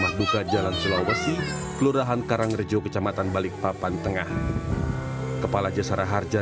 menunggu ke jalan sulawesi kelurahan karangrejo kecamatan balikpapan tengah kepala jasara harga